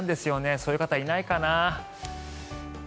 そういう方いないかな。